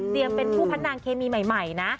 เตรียมเป็นผู้พันดาลเคมีใหม่นะ